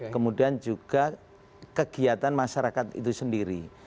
kemudian juga kegiatan masyarakat itu sendiri